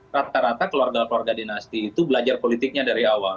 rata rata keluarga keluarga dinasti itu belajar politiknya dari awal